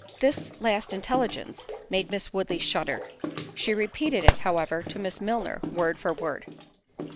This last intelligence made Miss Woodley shudder—she repeated it, however, to Miss Milner, word for word.